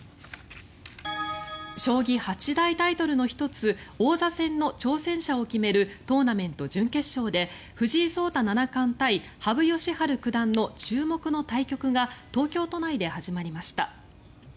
将棋八大タイトルの１つ王座戦の挑戦者を決めるトーナメント準決勝で藤井聡太七冠対羽生善治九段の注目の対局が東京都内で始まりました。